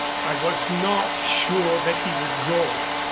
"I was not sure that he would go."